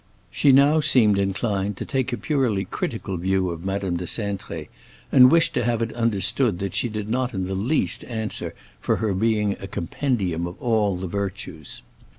She now seemed inclined to take a purely critical view of Madame de Cintré, and wished to have it understood that she did not in the least answer for her being a compendium of all the virtues.